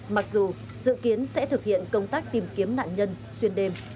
mặc dù dự kiến sẽ thực hiện công tác tìm kiếm nạn nhân xuyên đêm